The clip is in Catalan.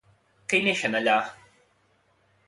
Què hi neixen allà?